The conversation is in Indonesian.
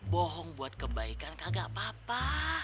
bohong buat kebaikan kagak apa apa